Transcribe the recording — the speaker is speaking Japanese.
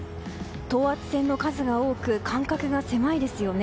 等圧線の数が多く間隔が狭いですよね。